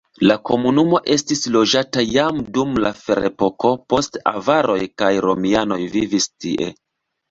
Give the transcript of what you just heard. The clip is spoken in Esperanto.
La komunumo estis loĝata jam dum la ferepoko, poste avaroj kaj romianoj vivis tie.